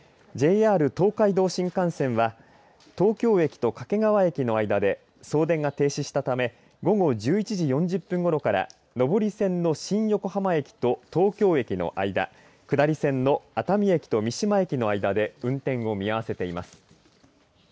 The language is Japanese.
ＪＲ東海道新幹線は東京駅と掛川駅の間で送電が停止したため午後１１時４０分ごろから上り線の新横浜駅と東京駅の間下り線の熱海駅と三島駅の間で運転を見合わせています。